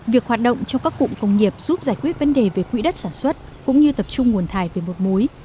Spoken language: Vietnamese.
việc hoạt động trong các cụm công nghiệp giúp giải quyết vấn đề về quỹ đất sản xuất cũng như tập trung nguồn thải về một mối